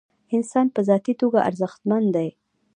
انسان په ذاتي توګه ارزښتمن دی.